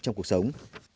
trong cuộc sống